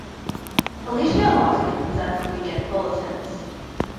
Alicia Loxley presents the weekend bulletins.